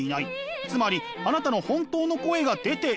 つまりあなたの本当の声が出ていない。